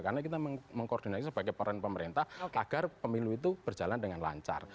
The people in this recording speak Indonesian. karena kita mengkoordinasi sebagai pemerintah agar pemilu itu berjalan dengan lancar